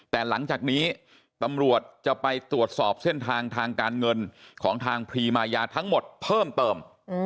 แต่หลังจากนี้ตำรวจจะไปตรวจสอบเส้นทางทางการเงินของทางพรีมายาทั้งหมดเพิ่มเติม